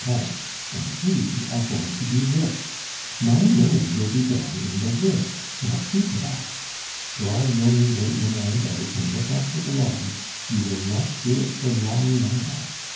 Pons. And we are going to be rich! My name will be down in the will.... I'll see to that. Draw your needle in and out, and look after the lodge; you will not do it for long now.